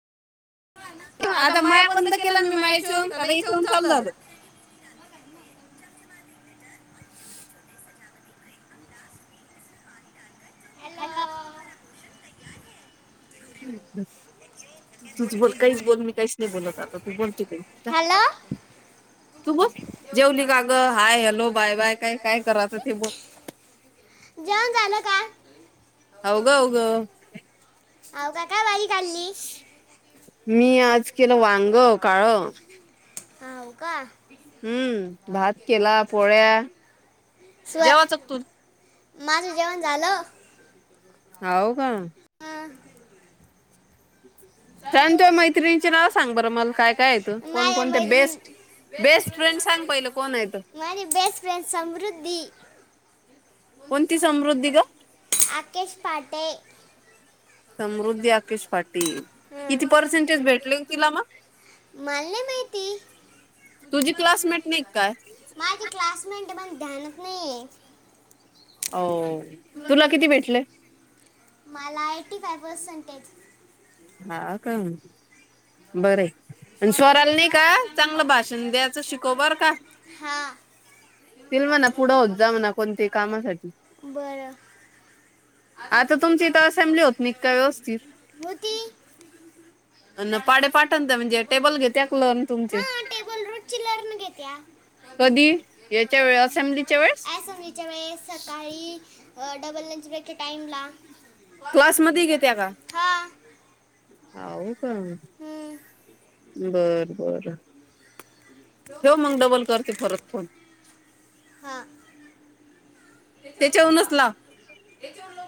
आता माया बंद केल्या मी माया चुन आता इथऊन चालू झालं. का हॅलो! तूच ब काही बोल मी काहीच नाही बोलत आता तू बोल. तू. [unintelligible] तू बस जेवली का ग हाय हॅलो बाय बाय काय काय कराचं ते बोल. जेवण झाले. होहोघ हो काकाय वई [inaudible] मी आज केलं वांग काळ. हाऊ हो का. हम्म! भात केला पोळ्या. सर माझं जेवण झालं. आव का. सायं मैत्रिणीचे नाव सांग बरं मला काय काय येतं कोणकोणत्या बेस्ट माझी बेस्ट फ्रेंड समृद्धी. आकेश फाटे. समृद्धी अस. केश पाटील किती पर्सेंटेज भेटले तिला मग. तुझी क्लासमेंट नाही काय. ध्यानात नाही आहे हो तुला किती भेटले. मला एटी फायव्ह पर्सेंटेज हा काय बरं सरला नाही का चांगलं भाषण द्यायचं बर का हा. तिला म्हणा पुढं होत जा ना कोणते ही कामासाठी. [unintelligible] अ पाढे पाठांतर म्हणजे टेबल घेता का तुमचे. ची लर्न घेत्या. कधी याच्या वेळे असेंब्लीच्या वेळेस. Double lunch break. टाईमला क्लासमध्ये घेत्या का. हो का बरं बरं. हा! त्याच्यावरच लाव याच्यावर.